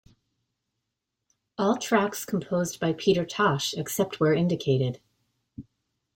All tracks composed by Peter Tosh except where indicated.